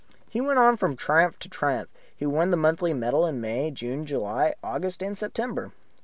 He went on from triumph to triumph. He won the monthly medal in May, June, July, August, and September.